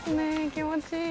気持ちいい。